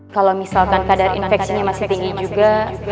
kalau misalkan kadar infeksinya masih tinggi juga